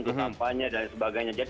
untuk kampanye dan sebagainya